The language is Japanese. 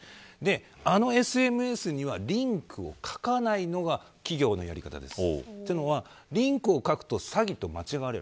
あのＳＭＳにはリンクを書かないのが企業のやり方です。